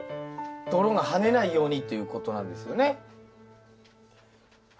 泥がはねないようにっていうことなんですよね。